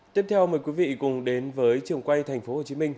tiếp theo mời quý vị cùng đến với trường quay tp hcm